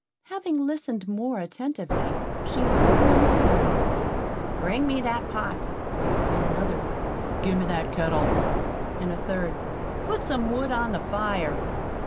Having listened more attentively, she heard one say: "Bring me that pot"; another "Give me that kettle"; and a third, "Put some wood upon the fire."